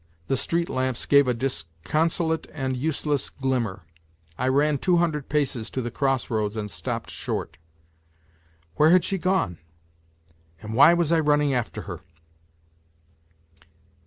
The street lamps gave a disconsolate and useless glimmer. I ran two hundred paces to the cross roads and stopped short. Where had she gone ? And why was I running after her